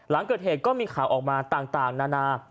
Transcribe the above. หลังเกิดเหตุก็มีข่าวออกมาต่างนานา